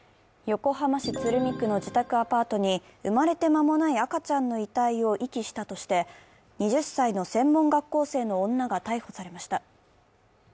横浜市鶴見区の自宅アパートに生まれて間もない赤ちゃんの遺体を遺棄したとして２０歳の専門学校生の女が逮捕されました。